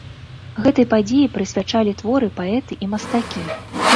Гэтай падзеі прысвячалі творы паэты і мастакі.